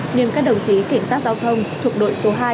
nhưng các đồng chí kiểm soát giao thông thuộc đội số hai